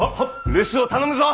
留守を頼むぞ！